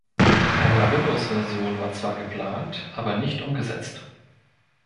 Eine Windows-Version war zwar geplant aber nicht umgesetzt.